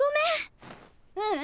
ううん！